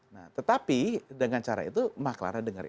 nah tetapi dengan cara itu maklarnya dengan benar